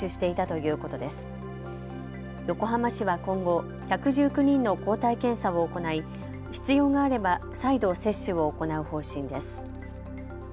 横浜市は今後、１１９人の抗体検査を行い必要があれば再度、接種を行う方針です。